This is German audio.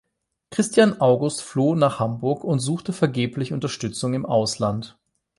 Christian August floh nach Hamburg und suchte vergeblich Unterstützung im Ausland.